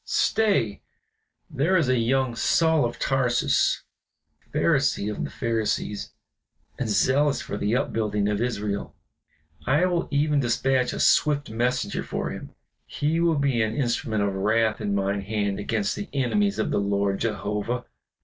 Stay! there is the young Saul of Tarsus, a Pharisee of the Pharisees, and zealous for the upbuilding of Israel; I will even dispatch a swift messenger for him. He will be an instrument of wrath in mine hand against the enemies of the Lord Jehovah."